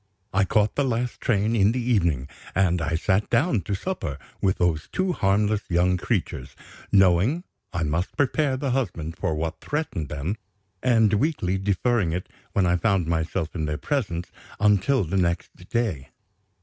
I caught the last train in the evening; and I sat down to supper with those two harmless young creatures, knowing I must prepare the husband for what threatened them, and weakly deferring it, when I found myself in their presence, until the next day.